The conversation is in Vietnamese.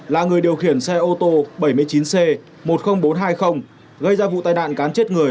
là người điều khiển xe ô tô bảy mươi chín c một mươi nghìn bốn trăm hai mươi gây ra vụ tai nạn cán chết người